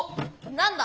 何だ？